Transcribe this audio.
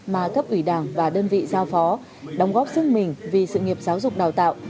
mà cấp ủy đảng và đơn vị giao phó đóng góp sức mình vì sự nghiệp giáo dục đào tạo